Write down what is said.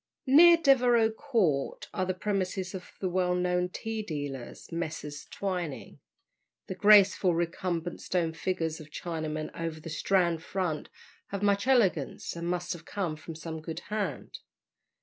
Near Devereux Court are the premises of the well known tea dealers, Messrs. Twining. The graceful recumbent stone figures of Chinamen over the Strand front have much elegance, and must have come from some good hand.